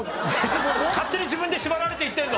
勝手に自分で縛られていってるの？